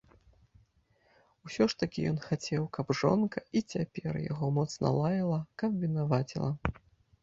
Усё ж такі ён хацеў, каб жонка і цяпер яго моцна лаяла, каб вінаваціла.